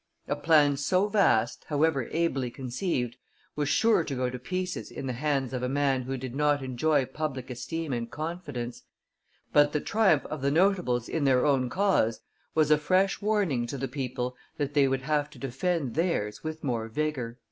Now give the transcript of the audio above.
A plan so vast, however ably conceived, was sure to go to pieces in the hands of a man who did not enjoy public esteem and confidence; but the triumph of the notables in their own cause was a fresh warning to the people that they would have to defend theirs with more vigor."